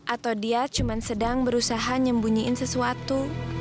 atau dia cuma sedang berusaha nyembunyiin sesuatu